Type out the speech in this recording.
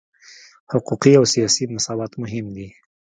حقوقي او سیاسي مساوات مهم دي.